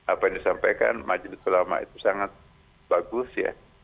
apa yang disampaikan majelis ulama itu sangat bagus ya